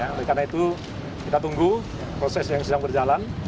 oleh karena itu kita tunggu proses yang sedang berjalan